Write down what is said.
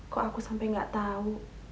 kok aku sampai gak tahu